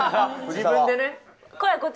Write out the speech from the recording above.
自分でね。